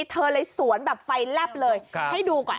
เธอเลยสวนแบบไฟแลบเลยให้ดูก่อน